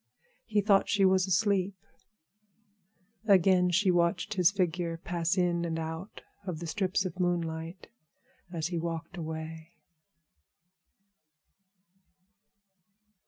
He thought she was asleep. Again she watched his figure pass in and out of the strips of moonlight as he walked away.